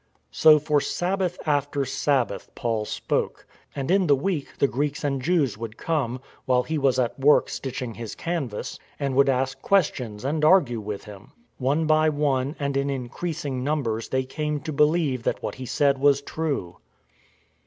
So for Sabbath after Sabbath Paul spoke; and in the week the Greeks and Jews would come, while he was at work stitchingf his canvas, and would ask questions and argue with him. One by one and in increasing numbers they came to believe that what he said was true.